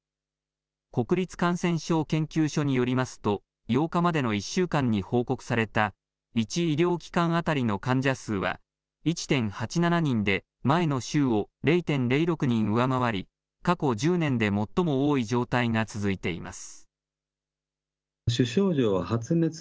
国立感染症研究所によりますと、８日までの１週間に報告された１医療機関当たりの患者数は１．８７人で、前の週を０．０６人上回り、過去１０年で最も多い状態が続いています。